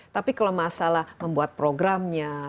tapi kalau masalah membuat programnya